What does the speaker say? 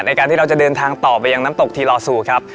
ในการที่เราจะเดินทางต่อไปยังน้ำตกทีลอซูครับ